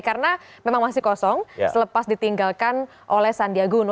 karena memang masih kosong selepas ditinggalkan oleh sandiaguno